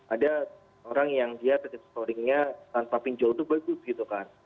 ada orang yang dia tead scoringnya tanpa pinjol itu bagus gitu kan